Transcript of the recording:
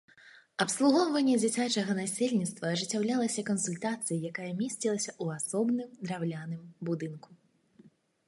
Абслугоўванне дзіцячага насельніцтва ажыццяўлялася кансультацыяй, якая месцілася ў асобным драўляным будынку.